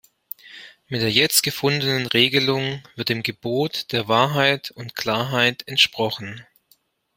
Mit der jetzt gefundenen Regelung wird dem Gebot der Wahrheit und Klarheit entsprochen.